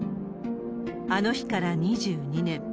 あの日から２２年。